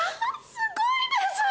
すごいです！